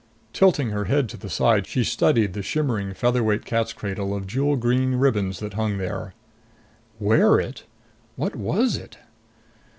Tilting her head to the side, she studied the shimmering featherweight cat's cradle of jewel green ribbons that hung there. Wear it? What was it?